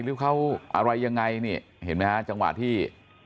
หรือเขาอะไรยังไงนี่เห็นไหมฮะจังหวะที่